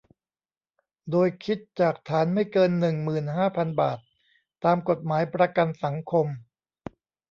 โดยคิดจากฐานไม่เกิน หนึ่งหมื่นห้าพัน บาท ตามกฎหมายประกันสังคม